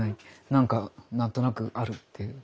なんか何となくあるっていう。